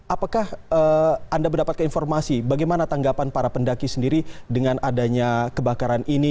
apakah anda mendapatkan informasi bagaimana tanggapan para pendaki sendiri dengan adanya kebakaran ini